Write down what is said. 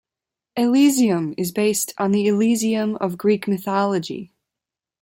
Elysium is based on the Elysium of Greek mythology.